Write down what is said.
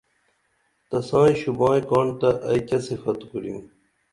تسائی شوبائی کاڻ تہ ائی کیہ صفت کُرِم